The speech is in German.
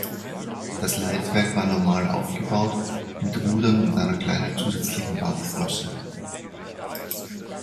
Das Leitwerk war normal aufgebaut mit Rudern und einer kleinen zusätzlichen Bauchflosse.